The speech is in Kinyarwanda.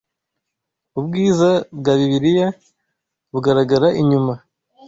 Ubwiza bwa Bibiliya bugaragara inyuma,